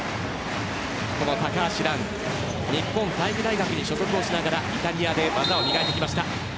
高橋藍は日本体育大学に所属しながらイタリアで技を磨いてきました。